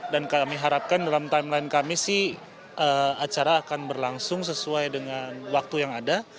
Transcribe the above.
dan kami harapkan dalam timeline kami sih acara akan berlangsung sesuai dengan waktu yang ada